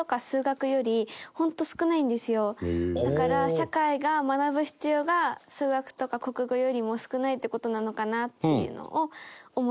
だから社会が学ぶ必要が数学とか国語よりも少ないって事なのかなっていうのを思います。